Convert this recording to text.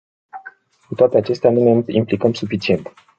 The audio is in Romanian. Cu toate acestea, nu ne implicăm suficient.